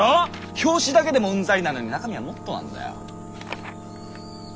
表紙だけでもウンザリなのに中身はもっとなんだよ。